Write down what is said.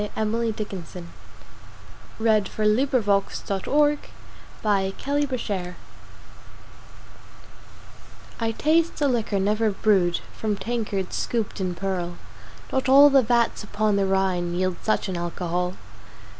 Emily Dickinson I taste a liquor never brewed [cc] I TASTE a liquor never brewed From Tankards scooped in Pearl Not all the vats upon the Rhine Yield such an Alcohol!